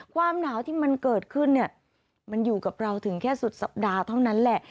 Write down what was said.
ความหนาวที่มันเกิดขึ้นเนี่ยมันอยู่กับเราถึงแค่สุดสัปดาห์เท่านั้นแหละ